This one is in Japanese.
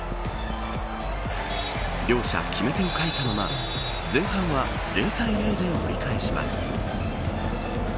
両者、決め手を欠いたまま前半は０対０で折り返します。